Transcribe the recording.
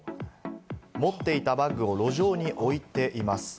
持っていたバッグを路上に置いています。